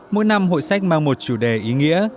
mỗi năm hội sách mang một chủ đề ý nghĩa